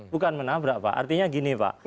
bukan menabrak pak artinya gini pak